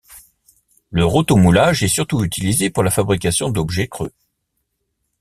Le rotomoulage est surtout utilisé pour la fabrication d'objets creux.